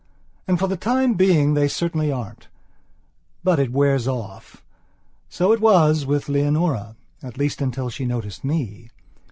And for the time being they certainly aren't. But it wears off. So it was with Leonoraat least until she noticed me.